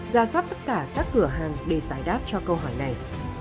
ra soát tất cả các cửa hàng để giải đáp cho câu hỏi này